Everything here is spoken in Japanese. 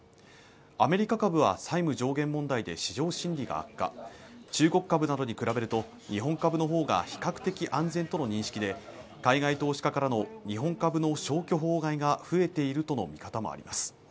アメリカ株は債務上限問題で市場心理が悪化中国株などに比べると、日本株の方が比較的安全との認識で海外投資家からの日本株の消去法買いが増えているとの見方もあります。